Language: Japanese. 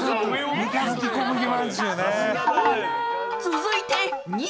［続いて］